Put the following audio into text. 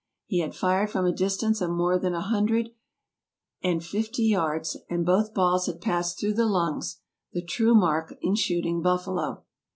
He had fired from a distance of more than a hundred and fifty yards, and both balls had passed through the lungs — the true mark in shooting buffalo.